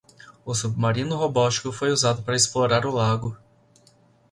O submarino robótico foi usado para explorar o lago.